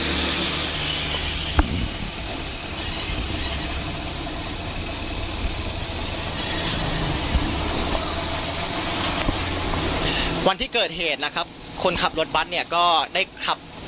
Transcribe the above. ระหว่างทางที่จะถึงวัดบัปนักเนี่ยนะครับ